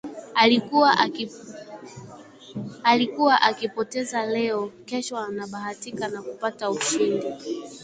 Alikuwa akipoteza leo, kesho anabahatika na kupata ushindi